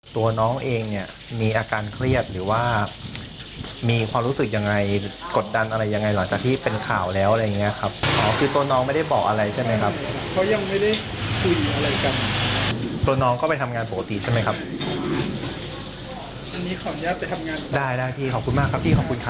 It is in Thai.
ตัวน้องเองเนี่ยมีอาการเครียดหรือว่ามีความรู้สึกยังไงกดดันอะไรยังไงหลังจากที่เป็นข่าวแล้วอะไรอย่างเงี้ยครับอ๋อคือตัวน้องไม่ได้บอกอะไรใช่ไหมครับเพราะยังไม่ได้ผู้หญิงอะไรกันตัวน้องก็ไปทำงานปกติใช่ไหมครับ